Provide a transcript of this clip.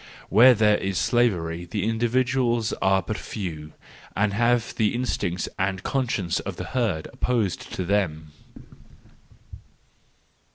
Where there is slavery the individuals are but few, and have the instincts and conscience of the herd opposed to them.